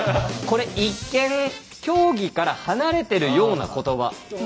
これ一見競技から離れてるような言葉。